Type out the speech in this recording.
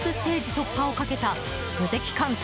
突破をかけた無敵艦隊